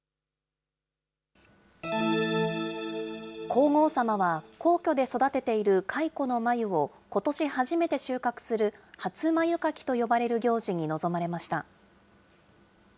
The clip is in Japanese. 皇后さまは、皇居で育てている蚕の繭を、ことし初めて収穫する初繭掻きと呼ばれる行事に臨まれました。